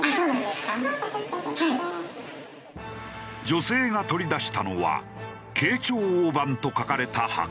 女性が取り出したのは「慶長大判」と書かれた箱。